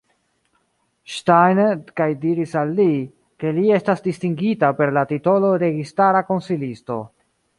Steiner kaj diris al li, ke li estas distingita per la titolo "registara konsilisto".